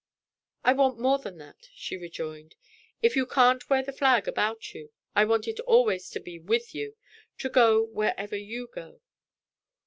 "I want more than that," she rejoined. "If you can't wear the flag about you, I want it always to be with you to go wherever you go.